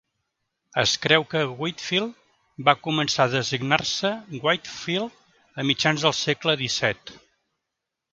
Es creu que Whitfield va començar a designar-se "Whytefeld" a mitjans del segle XVII.